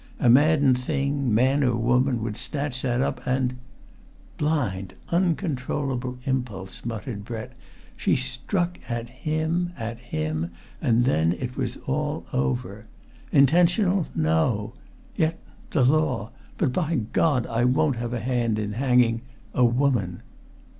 A maddened thing, man or woman, would snatch that up, and "Blind, uncontrollable impulse!" muttered Brent. "She struck at him, at him and then it was all over. Intentional, no! Yet ... the law! But, by God, I won't have a hand in hanging ... a woman!